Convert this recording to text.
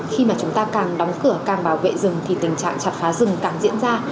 khi mà chúng ta càng đóng cửa càng bảo vệ rừng thì tình trạng chặt phá rừng càng diễn ra